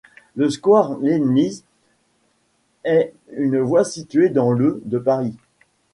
Le square Leibniz est une voie située dans le de Paris.